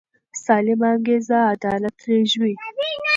سالمه انګیزه عدالت زېږوي